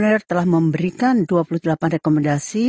biar saya beritahu anda